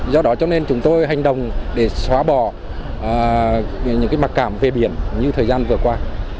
do đó chúng tôi hành động để xóa bỏ những mặc cảm về biển như thời gian vừa qua